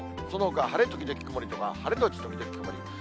そのほか晴れ時々曇りとか、晴れ後時々曇り。